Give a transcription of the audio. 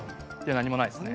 何もないですね。